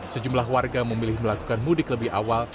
sejumlah warga memilih melakukan mudik lebih awal